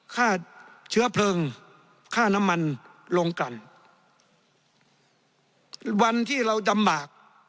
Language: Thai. ค่าเชื้อเพลิงค่าน้ำมันลงกันวันที่เราลำบาก